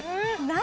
何？